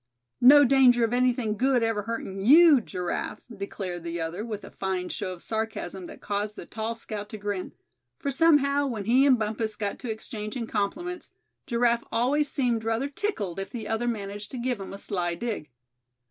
"No danger of anything good ever hurting you, Giraffe," declared the other, with a fine show of sarcasm that caused the tall scout to grin; for somehow, when he and Bumpus got to exchanging compliments, Giraffe always seemed rather tickled if the other managed to give him a sly dig.